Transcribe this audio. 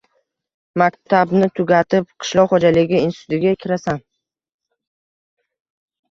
Maktabni tugatib, qishloq xo’jaligi institutiga kirasan.